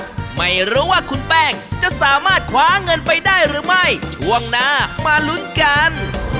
ไม่รู้ว่าคุณแป้งจะสามารถคว้าเงินไปได้หรือไม่ช่วงหน้ามาลุ้นกัน